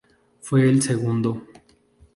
Fue el segundo.